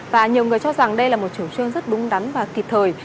và nhiều người cho rằng đây là một chủ trương rất đúng đắn và kịp thời